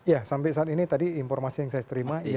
ya sampai saat ini tadi informasi yang saya terima